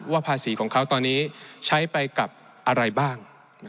ภาษีของเขาตอนนี้ใช้ไปกับอะไรบ้าง